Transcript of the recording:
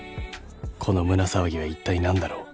［この胸騒ぎはいったい何だろう？］